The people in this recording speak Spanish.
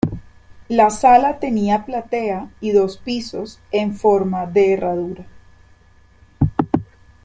La sala tenía platea y dos pisos, en forma de herradura.